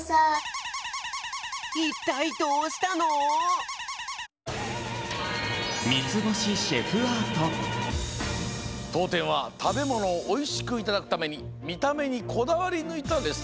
いったいどうしたの！？とうてんはたべものをおいしくいただくためにみためにこだわりぬいたレストランです。